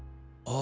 あ。